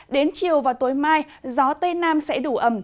đến chiều và tối mai gió tây nam sẽ đủ ẩm